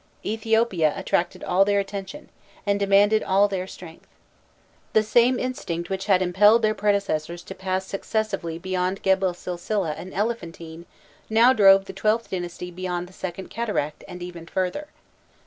Ethiopia attracted all their attention, and demanded all their strength. The same instinct which had impelled their predecessors to pass successively beyond Gebel Silsileh and Elephantine now drove the XIIth dynasty beyond the second cataract, and even further.